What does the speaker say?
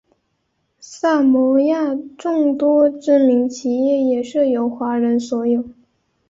萨摩亚众多知名企业也是由华人所有。